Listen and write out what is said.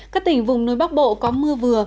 các tỉnh vùng nối bắc bộ có mưa vừa